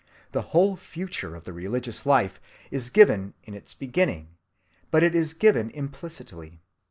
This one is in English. The whole future of the religious life is given in its beginning, but it is given implicitly.